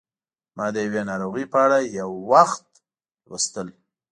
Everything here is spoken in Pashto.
ما د یوې ناروغۍ په اړه یو وخت لوستل